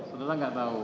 saudara tidak tahu